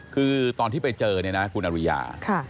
คือตอนที่ไปเจอเนี่ยนะคุณอริยา